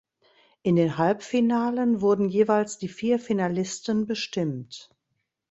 In den Halbfinalen wurden jeweils die vier Finalisten bestimmt.